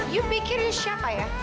lu pikirin siapa ya